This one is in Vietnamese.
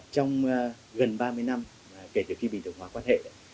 trong gần ba mươi năm kể từ khi bị thổng hóa quan hệ